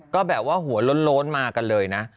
ก็แบบว่าหัวโล้นมากันเลยนะ